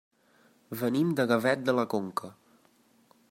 Venim de Gavet de la Conca.